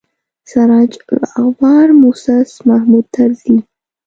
سراج الاخبار موسس محمود طرزي.